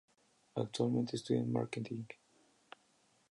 Actualmente estudia marketing.